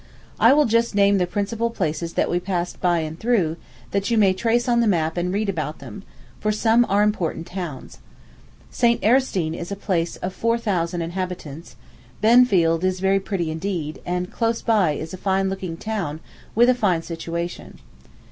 I will just name the principal places that we passed by and through, that you may trace on the map and read about them, for some are important towns. St. Erstein is a place of four thousand inhabitants; Benfield is very pretty indeed; and close by is a fine looking town, with a fine situation.